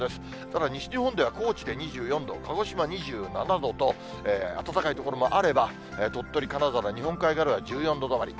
ただ、西日本では、高知で２４度、鹿児島２７度と、暖かい所もあれば、鳥取、金沢、日本海側では１４度止まり。